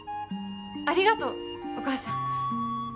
ありがとうお母さん